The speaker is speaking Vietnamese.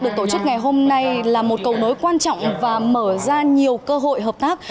được tổ chức ngày hôm nay là một cầu nối quan trọng và mở ra nhiều cơ hội hợp tác